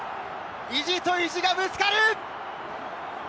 意地と意地がぶつかる！